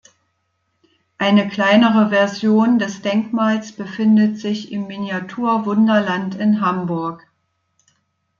Eine kleinere Version des Denkmals befindet sich im Miniatur-Wunderland in Hamburg.